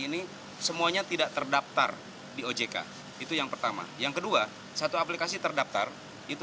ini semuanya tidak terdaftar di ojk itu yang pertama yang kedua satu aplikasi terdaftar itu